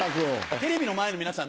テレビの前の皆さん